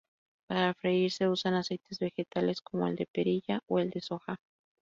Para freír se usan aceites vegetales como el de perilla o el de soja.